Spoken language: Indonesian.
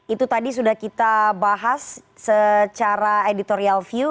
itu tadi sudah kita bahas secara editorial view